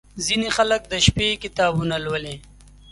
• ځینې خلک د شپې کتابونه لولي.